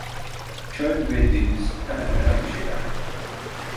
Çöl ve deniz hemen hemen aynı şeylerdi.